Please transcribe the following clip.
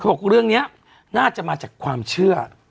เค้าบอกว่าเรื่องเนี่ยน่าจะมาจากความเชื่อ